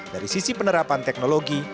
dari sisi penerapan teknologi